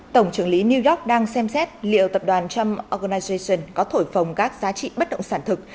tổng trưởng lý new york đang xem xét liệu tập đoàn trump urgna jation có thổi phồng các giá trị bất động sản thực